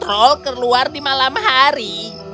oh keluar di malam hari